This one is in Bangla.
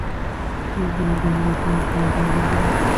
ক্ষেমংকরীর কাছে আজ কমলার ঘরকন্নার পরীক্ষা আরম্ভ হইল।